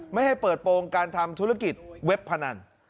ไม่ให้เปิดโปรงการทำธุรกิจเว็บพนัน